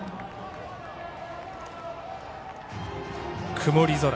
曇り空。